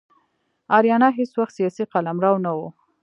آریانا هیڅ وخت سیاسي قلمرو نه و.